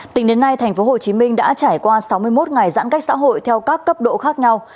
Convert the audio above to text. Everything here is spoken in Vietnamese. tính đến nay tp hcm đã trải qua sáu mươi một ngày giãn cách xã hội theo các cấp độ khác nhau